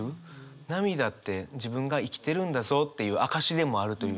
涙って自分が生きてるんだぞっていう証しでもあるというか。